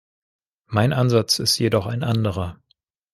Mein Ansatz ist jedoch ein anderer.